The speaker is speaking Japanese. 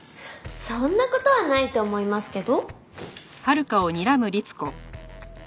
そんな事はないと思いますけど。